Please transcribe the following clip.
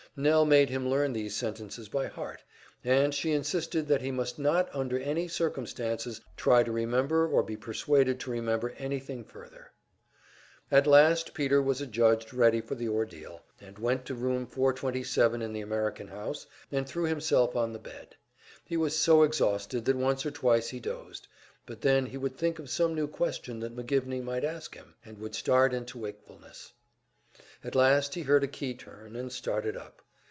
Nell made him learn these sentences by heart, and she insisted that he must not under any circumstances try to remember or be persuaded to remember anything further. At last Peter was adjudged ready for the ordeal, and went to Room 427 in the American House, and threw himself on the bed. He was so exhausted that once or twice he dozed; but then he would think of some new question that McGivney might ask him, and would start into wakefulness. At last he heard a key turn, and started up.